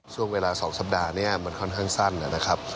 ช่วงเวลา๒สัปดาห์นี้มันค่อนข้างสั้นนะครับ